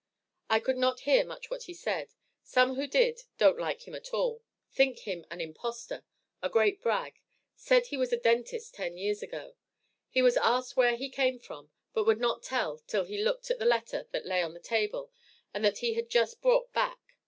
I could not hear much he said some who did don't like him at all think him an impostor a great brag said he was a dentist ten years. He was asked where he came from, but would not tell till he looked at the letter that lay on the table and that he had just brought back.